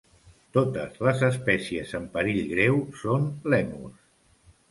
Totes les espècies en perill greu són lèmurs.